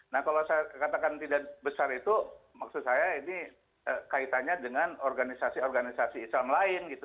nah kalau saya katakan tidak besar itu maksud saya ini kaitannya dengan organisasi organisasi islam lain gitu